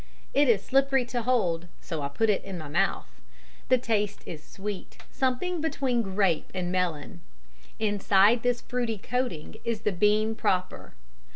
It is slippery to hold, so I put it in my mouth. The taste is sweet, something between grape and melon. Inside this fruity coating is the bean proper.